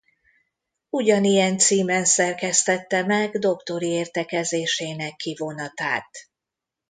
Ugyanilyen címen szerkesztette meg doktori értekezésének kivonatát.